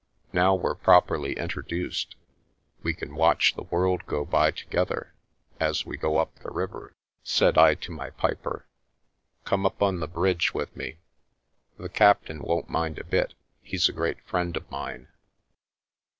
" Now we're properly introduced, we can watch the world go by together, as we go up the river," said I to my piper. " Come on to the bridge with me. The cap tain won't mind a bit, he's a great friend of mine."